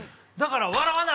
だから。